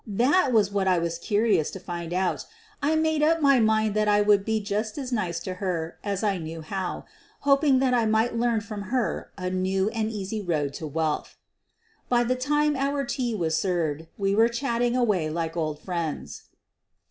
That was what I was curious to find out. I made up my mind that I would be just as nice to her as I knew, how — hoping that I might learn from her a new and' easy road to wealth. By the time our tea was served we were chatting away like old friends.